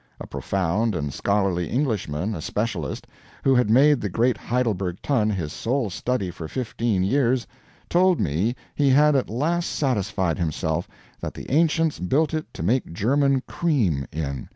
A profound and scholarly Englishman a specialist who had made the great Heidelberg Tun his sole study for fifteen years, told me he had at last satisfied himself that the ancients built it to make German cream in.